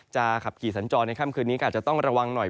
ขับขี่สัญจรในค่ำคืนนี้ก็อาจจะต้องระวังหน่อย